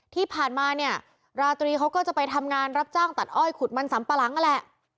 ที่ผ่านมาเนี่ยราตรีเขาก็จะไปทำงานรับจ้างตัดอ้อยขุดมันสำปะหลังนั่นแหละ